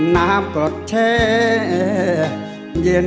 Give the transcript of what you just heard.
น้ำกอดเทเย็น